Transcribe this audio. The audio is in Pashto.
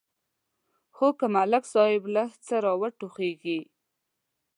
خو که ملک صاحب لږ څه را وټوخېږي.